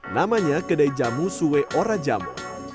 namanya kedai jamu suwe ora jamu